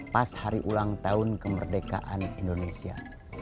pas hari ulang tahun kemerdekaan indonesia